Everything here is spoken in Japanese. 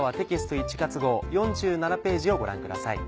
１月号４７ページをご覧ください。